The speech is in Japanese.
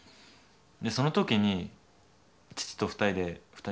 その時に父と２人で２人？